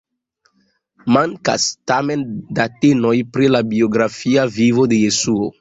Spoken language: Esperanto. Mankas, tamen, datenoj pri la biografia vivo de Jesuo.